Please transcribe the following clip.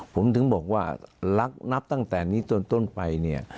ผมถึงบอกว่ารักนับตั้งแต่นี้จนต้นไปเนี่ย